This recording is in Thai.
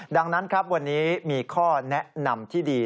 ดังนั้นครับวันนี้มีข้อแนะนำที่ดี